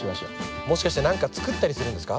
もしかして何か作ったりするんですか？